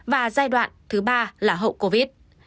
và giai đoạn thứ ba là hậu covid